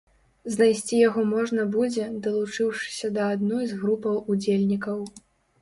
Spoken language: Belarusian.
Знайсці яго можна будзе, далучыўшыся да адной з групаў удзельнікаў.